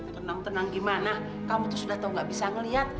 tenang tenang gimana kamu tuh sudah tahu gak bisa ngeliat